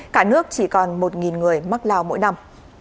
cả nước chỉ còn một người mắc lao mỗi năm